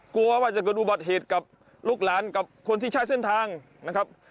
กลัวว่าจะเกิดอุบัติเหตุกับลูกหลานกับคนที่ใช้เส้นทางนะครับ